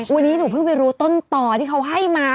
วันนี้หนูเพิ่งไปรู้ต้นต่อที่เขาให้มา